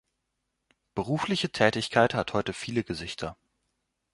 Berufliche Tätigkeit hat heute viele Gesichter.